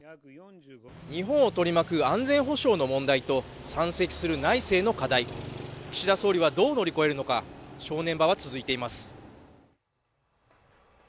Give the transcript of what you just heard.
日本を取り巻く安全保障の問題と山積する内政の課題、岸田総理はどう乗り越えるのか、正念場は続いています。